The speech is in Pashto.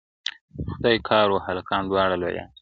د خدای کار وو هلکان دواړه لویان سوه,